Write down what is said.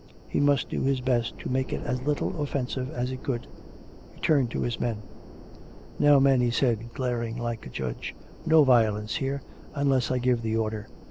He must do his best to make it as little offensive as he could. He turned to his men. " Now, men," he said, glaring like a judge, " no violence here, unless I give the order.